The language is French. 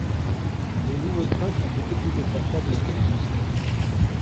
Les nouveaux trains sont beaucoup plus confortables que les anciens.